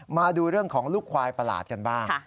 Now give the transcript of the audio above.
มาดูเรื่องของลูกควายประหลาดกันบ้าง